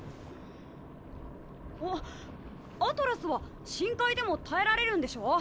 あっアトラスは深海でも耐えられるんでしょ？